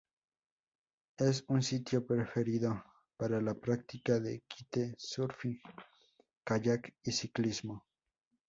Es un sitio preferido para la práctica de "kite surfing", kayak y ciclismo.